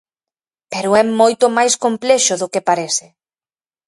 Pero é moito máis complexo do que parece.